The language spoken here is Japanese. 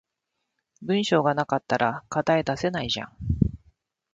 文章が無かったら課題出せないじゃん